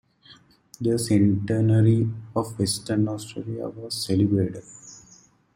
The centenary of Western Australia was celebrated.